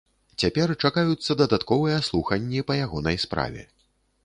Цяпер чакаюцца дадатковыя слуханні па ягонай справе.